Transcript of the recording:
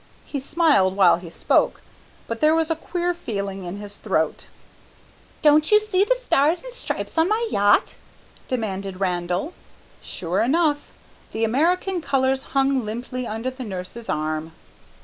He smiled while he spoke, but there was a queer feeling in his throat. "Don't you see the stars and stripes on my yacht?" demanded Randall. Sure enough, the American colours hung limply under the nurse's arm.